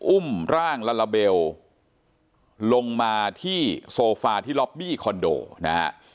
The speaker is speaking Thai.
อุ้มร่างลาลาเบลลงมาที่โซฟาที่ล็อบบี้คอนโดนะฮะ